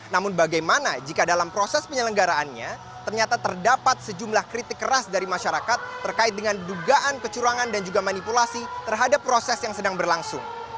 namun bagaimana jika dalam proses penyelenggaraannya ternyata terdapat sejumlah kritik keras dari masyarakat terkait dengan dugaan kecurangan dan juga manipulasi terhadap proses yang sedang berlangsung